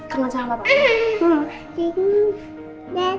kangen sama bapaknya